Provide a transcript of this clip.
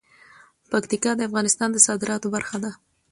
پکتیکا د افغانستان د صادراتو برخه ده.